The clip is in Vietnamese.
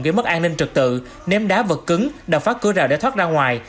gây mất an ninh trực tự ném đá vật cứng đập phá cửa rào để thoát ra ngoài